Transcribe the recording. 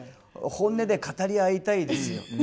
本音で語り合いたいですよ